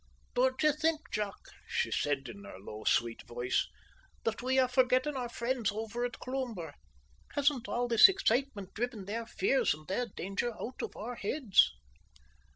"Don't you think, Jack," she said, in her low, sweet voice, "that we are forgetting our friends over at Cloomber? Hasn't all this excitement driven their fears and their danger out of our heads?"